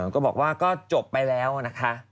ก็บอกว่าก็จบไปแล้วนะคะ